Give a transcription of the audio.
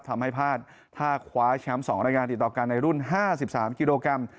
ทำให้พลาดท่าคว้าแชมป์๒รายการติดต่อกันในรุ่น๕๓กิโลกรัม